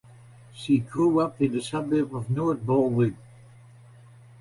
She grew up in the suburb of North Balwyn.